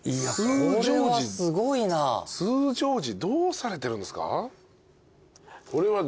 通常時どうされてるんですか？